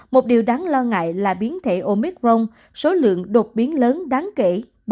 một điều đáng lo ngại là biến thể omicron số lượng đột biến lớn đáng kể ba mươi hai